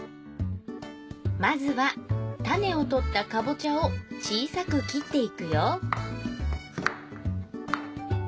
まずは種を取ったかぼちゃを小さく切っていくよ